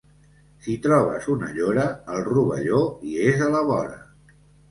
Si trobes una llora, el rovelló hi és a la vora.